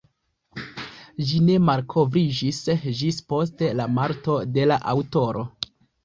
Ĝi ne malkovriĝis ĝis post la morto de la aŭtoro.